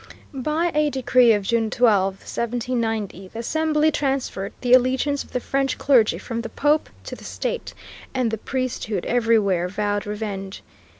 By a decree of June 12, 1790, the Assembly transferred the allegiance of the French clergy from the Pope to the state, and the priesthood everywhere vowed revenge.